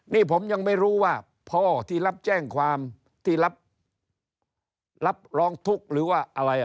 นี่ผมยังไม่รู้ว่าพ่อที่รับแจ้งความที่รับร้องทุกข์หรือว่าอะไร